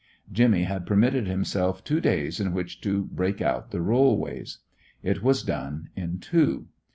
Jimmy had permitted himself two days in which to "break out" the rollways. It was done in two.